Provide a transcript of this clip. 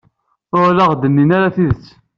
Ur la aɣ-d-ttinin ara tidet.